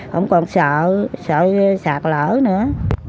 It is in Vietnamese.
không còn sợ sạt lở nữa